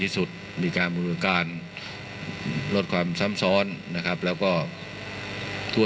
ทรงมีลายพระราชกระแสรับสั่งให้กลับสู่ภาคใต้